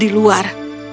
dan di luar